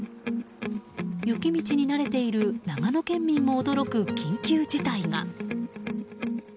雪道に慣れている長野県民も驚く、緊急事態が。